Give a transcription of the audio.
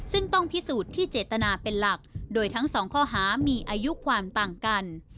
ซึ่งต้องพิสูจน์ที่เจตนาเป็นหลักโดยทั้งสองข้อหามีอายุความต่างกัน